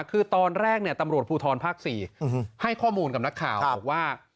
คือตอนแรกตำรวจภูทรภาค๔ให้ข้อมูลกับนักข่าวบอกว่า